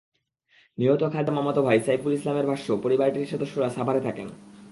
নিহত খাদিজার মামাতো ভাই সাইফুল ইসলামের ভাষ্য, পরিবারটির সদস্যরা সাভারে থাকেন।